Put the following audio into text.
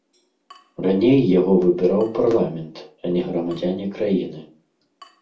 Раней яго выбіраў парламент, а не грамадзяне краіны.